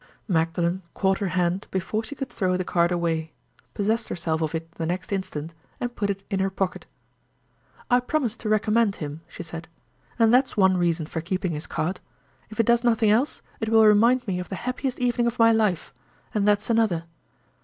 Magdalen caught her hand before she could throw the card away—possessed herself of it the next instant—and put it in her pocket. "I promised to recommend him," she said—"and that's one reason for keeping his card. If it does nothing else, it will remind me of the happiest evening of my life—and that's another.